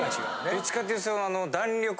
どっちかというと。